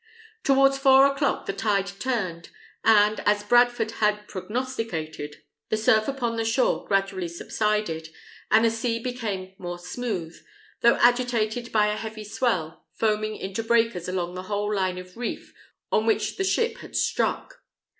Towards four o'clock the tide turned; and, as Bradford had prognosticated, the surf upon the shore gradually subsided, and the sea became more smooth, though agitated by a heavy swell, foaming into breakers along the whole line of reef on which the ship had struck.